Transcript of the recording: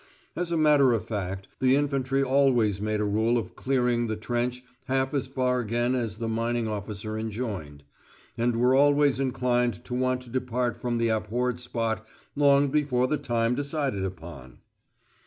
As a matter of fact, the infantry always made a rule of clearing the trench half as far again as the mining officer enjoined, and were always inclined to want to depart from the abhorred spot long before the time decided upon!